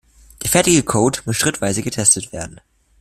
Der fertige Code muss schrittweise getestet werden.